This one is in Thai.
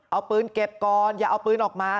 เอาปืนเก็บก่อนอย่าเอาปืนออกมา